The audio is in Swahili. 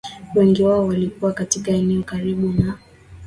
Wengi wao walikuwa katika eneo karibu na